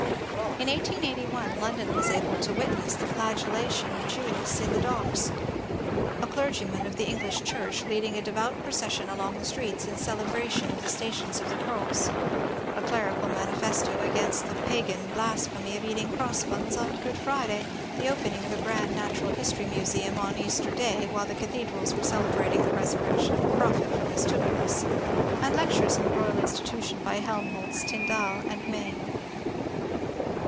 In 1881 London was able to witness the flagellation of Judas in the 340 MONCDRE DANIEL CX)NWAT docks ; a dergyman of the English Church leading a devout procession along the streets in celebration of the ^^ Stations of the Cross ;" a clerical manifesto against the ^^ pagan blas phemy " of eating cross buns on Grood Friday ; the opening of a grand Natural History Museum on Easter Day while the cathedrals were celebrating the resurrection of a prophet from his tumidus ; and lectures in the Boyal Institution by Helmholtz, Tyndall, and Maine.